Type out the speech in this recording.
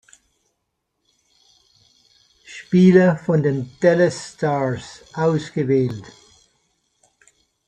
Spieler von den Dallas Stars ausgewählt.